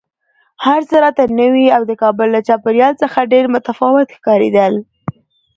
هر څه راته نوي او د کابل له چاپېریال څخه ډېر متفاوت ښکارېدل